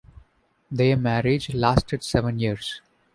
Their marriage lasted seven years.